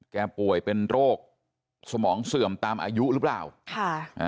ป่วยเป็นโรคสมองเสื่อมตามอายุหรือเปล่าค่ะอ่า